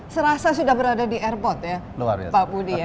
serasa sudah berada di airport ya pak budi ya